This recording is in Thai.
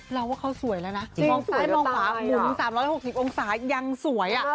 เราว่าเขาสวยแล้วนะมองซ้ายมองขวาหมุน๓๖๐องศายังสวย